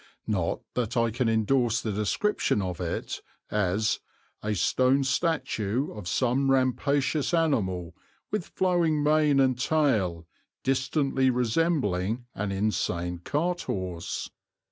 not that I can endorse the description of it as "a stone statue of some rampacious animal, with flowing mane and tail, distantly resembling an insane cart horse."